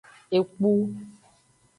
Ekpu.